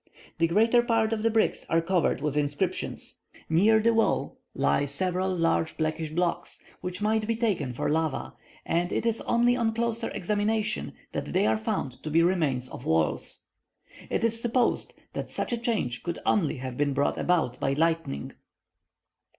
The greater part of the bricks are covered with inscriptions. Near this wall lie several large blackish blocks which might be taken for lava, and it is only on closer examination that they are found to be remains of walls. It is supposed that such a change could only have been brought about by lightning.